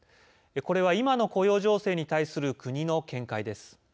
これは、今の雇用情勢に対する国の見解です。